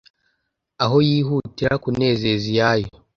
aho yihutira kunezeza iyayo